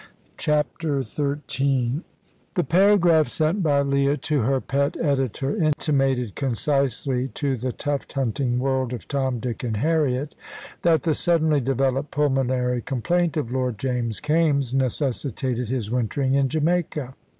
CHAPTER XIII The paragraph sent by Leah to her pet editor intimated concisely to the tuft hunting world of Tom, Dick, and Harriet, that the suddenly developed pulmonary complaint of Lord James Kaimes necessitated his wintering in Jamaica.